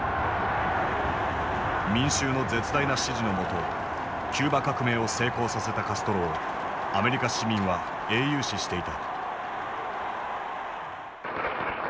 民衆の絶大な支持の下キューバ革命を成功させたカストロをアメリカ市民は英雄視していた。